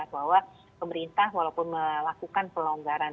bahwa pemerintah walaupun melakukan pelonggaran